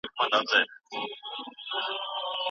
خلګو ویل چي هغه ځان پیژني.